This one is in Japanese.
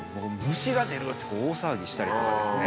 「虫が出る！」って大騒ぎしたりとかですね。